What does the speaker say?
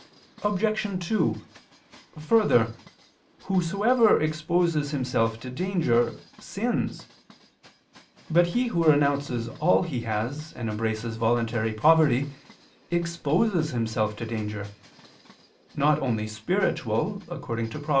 Obj. 2: Further, whosoever exposes himself to danger sins. But he who renounces all he has and embraces voluntary poverty exposes himself to danger not only spiritual, according to Prov.